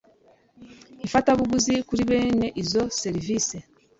ifatabuguzi kuri bene izo serivisi